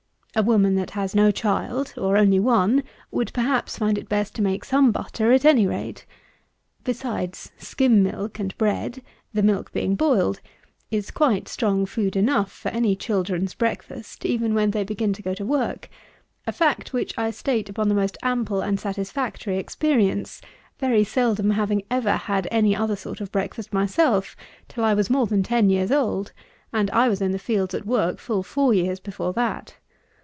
A woman that has no child, or only one, would, perhaps, find it best to make some butter at any rate. Besides, skim milk and bread (the milk being boiled) is quite strong food enough for any children's breakfast, even when they begin to go to work; a fact which I state upon the most ample and satisfactory experience, very seldom having ever had any other sort of breakfast myself till I was more than ten years old, and I was in the fields at work full four years before that.